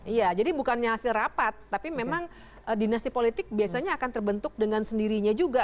iya jadi bukannya hasil rapat tapi memang dinasti politik biasanya akan terbentuk dengan sendirinya juga